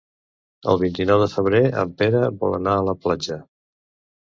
El vint-i-nou de febrer en Pere vol anar a la platja.